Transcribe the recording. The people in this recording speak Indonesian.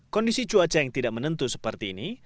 kondisi cuaca yang tidak menentu seperti ini